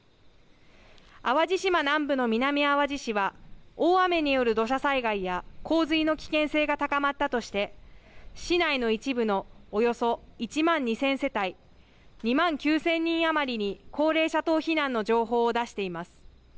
淡路島南部の南あわじ市は大雨による土砂災害や洪水の危険性が高まったとして市内の一部のおよそ１万２０００世帯２万９０００人余りに高齢者等避難の情報を出しています。